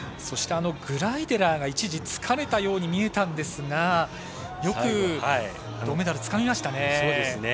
そして、あのグライデラーが一時疲れたように見えたんですがよく、銅メダルつかみましたね。